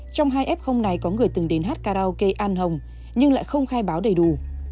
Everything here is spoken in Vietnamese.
trong hai f này có người từng đến hát karaoke an hồng nhưng lại không khai báo đầy đủ